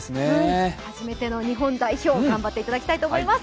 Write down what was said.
初めての日本代表、頑張っていただきたいと思います。